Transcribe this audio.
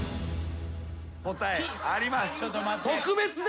答えあります。